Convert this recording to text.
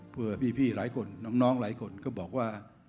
เพื่อพี่หลายคนน้องหลายคนก็บอกว่า